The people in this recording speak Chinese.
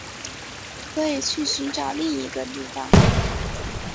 可以去寻找另一个地方